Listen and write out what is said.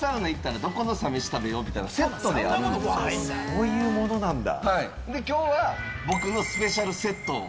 そういうものなんだ。